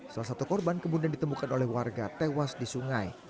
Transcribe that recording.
salah satu korban kemudian ditemukan oleh warga tewas di sungai